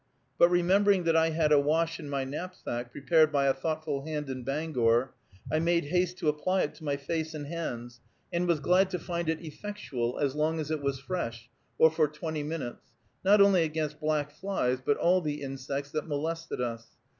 But remembering that I had a wash in my knapsack, prepared by a thoughtful hand in Bangor, I made haste to apply it to my face and hands, and was glad to find it effectual, as long as it was fresh, or for twenty minutes, not only against black flies, but all the insects that molested us.